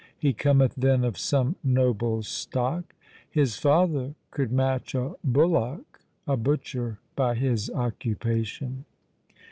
He cometh then of some noble stock? His father could match a bullock, A butcher by his occupation.